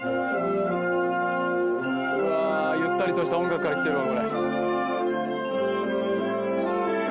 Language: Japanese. うわゆったりとした音楽からきてるわ